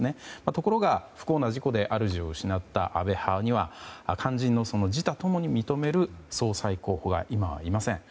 ところが、不幸な事故で主を失った安倍派には肝心の自他共に認める総裁候補が今はいません。